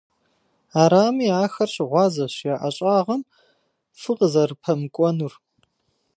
Арами, ахэр щыгъуазэщ я ӏэщӏагъэм фӏы къызэрыпэмыкӏуэнур.